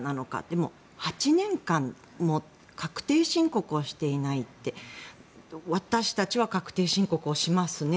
でも８年間も確定申告をしていないって私たちは確定申告をしますね。